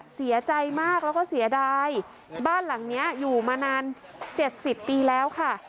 เสียใจมากแล้วก็เสียดายบ้านหลังนี้อยู่มานาน๗๐ปีแล้วค่ะ